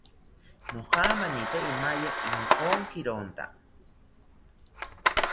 Nojamanite imaye inkokironta